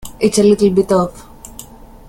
It's a little bit off.